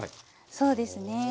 そうですね。